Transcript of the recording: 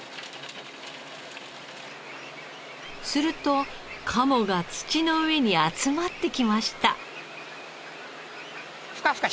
すると鴨が土の上に集まってきました。